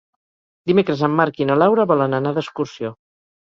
Dimecres en Marc i na Laura volen anar d'excursió.